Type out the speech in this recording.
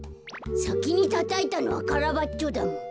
さきにたたいたのはカラバッチョだもん。